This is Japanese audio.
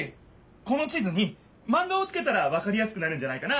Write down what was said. この地図にマンガをつけたらわかりやすくなるんじゃないかな。